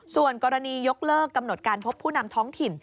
ส่วนกรณียกเลิกกำหนดการพบผู้นำท้องถิ่น